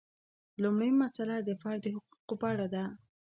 لومړۍ مسئله د فرد د حقوقو په اړه ده.